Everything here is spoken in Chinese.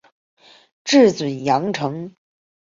治淮阳城。